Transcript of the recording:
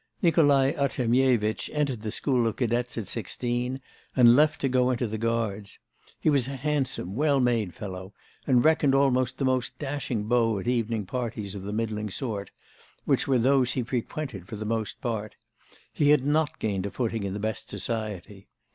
Nikolai Artemyevitch entered the School of Cadets at sixteen, and left to go into the Guards. He was a handsome, well made fellow, and reckoned almost the most dashing beau at evening parties of the middling sort, which were those he frequented for the most part; he had not gained a footing in the best society.